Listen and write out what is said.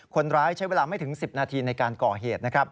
คนร้ายใช้เวลาไม่ถึง๑๐นาทีในการก่อเหตุนะครับ